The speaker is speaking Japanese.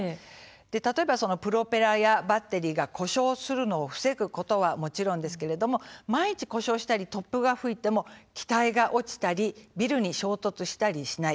例えばプロペラやバッテリーが故障することを防ぐことはもちろんですけれども万一、故障したり突風が吹いても機体が落ちたりビルに衝突したりしない。